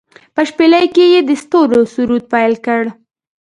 په شپیلۍ کې يې د ستورو سرود پیل کړ